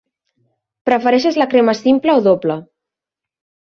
Prefereixes la crema simple o doble?